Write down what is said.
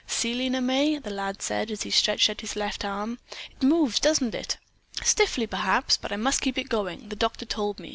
"See, Lena May," the lad said as he stretched out his left arm, "it moves, doesn't it? Stiffly, perhaps, but I must keep it going, the doctor told me."